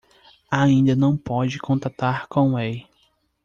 Ainda não pode contatar Conway.